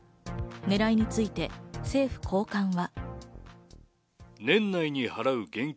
狙いについて政府高官は。